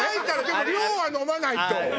でも量は飲まないと。